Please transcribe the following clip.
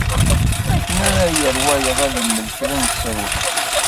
Akken ara yerr wayeḍ ad d-imel kra n sser weḥd-s.